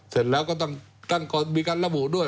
เสร็จแล้วก็ต้องมีการระบุด้วย